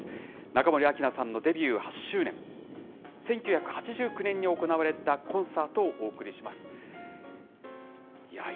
中森明菜さんのデビュー８周年、１９８９年に行われたコンサートをお送りします。